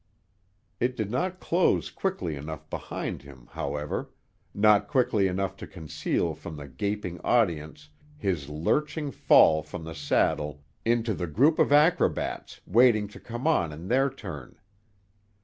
It did not close quickly enough behind him, however; not quickly enough to conceal from the gaping audience his lurching fall from the saddle into the group of acrobats waiting to come on in their turn.